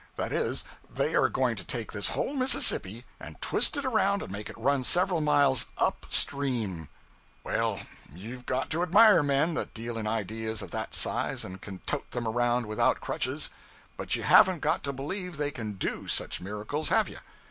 That is, they are going to take this whole Mississippi, and twist it around and make it run several miles up stream. Well you've got to admire men that deal in ideas of that size and can tote them around without crutches; but you haven't got to believe they can do such miracles, have you!